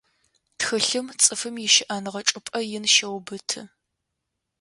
Тхылъым цӏыфым ищыӏэныгъэ чӏыпӏэ ин щеубыты.